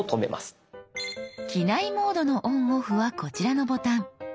「機内モード」のＯＮＯＦＦはこちらのボタン。